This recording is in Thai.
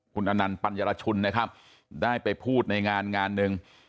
คุณอนันต์ปัญญารชุนนะครับได้ไปพูดในงานงานหนึ่ง